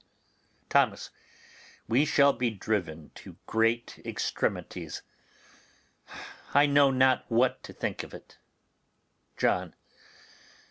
Thomas. We shall be driven to great extremities. I know not what to think of it. John.